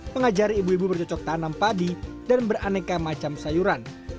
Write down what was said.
mengajari ibu ibu bercocok tanam padi dan beraneka macam sayuran